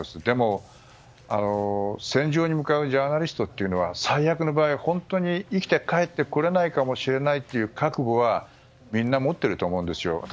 でも、戦場に向かうジャーナリストというのは最悪の場合は生きて帰ってこれないかもしれないという覚悟はみんな持っていると思うんですよ。